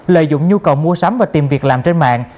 lợi dụng nhu cầu mua sắm và tìm việc làm trên mạng